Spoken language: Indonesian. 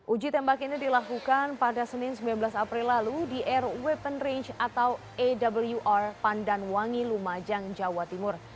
uji tembak ini dilakukan pada senin sembilan belas april lalu di air weapon range atau awr pandanwangi lumajang jawa timur